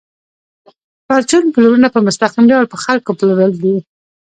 پرچون پلورنه په مستقیم ډول په خلکو پلورل دي